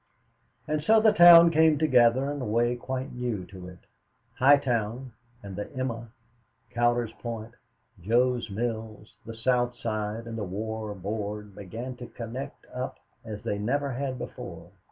And so the town came together in a way quite new to it. High Town and the "Emma," Cowder's Point, Jo's Mills, the South Side and the War Board began to connect up as they never had before.